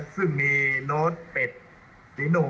ซึ่งมีโน๊ตเปดสีหนู